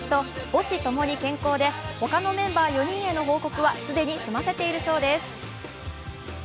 母子共に健康で他のメンバー４人への報告は既に済ませているそうです。